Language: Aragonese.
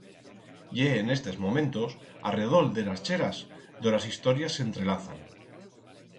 Ye en estes momentos, arredol de ras cheras, do ras historias s'entrelazan.